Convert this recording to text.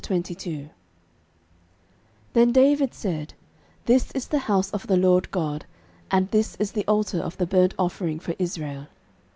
13:022:001 Then David said, This is the house of the LORD God, and this is the altar of the burnt offering for Israel.